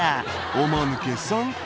おマヌケさん